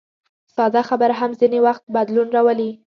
ساده خبره هم ځینې وخت لوی بدلون راولي.